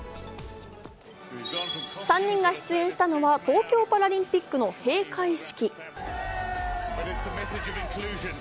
３人が出演したのは東京パラリンピックの閉会式。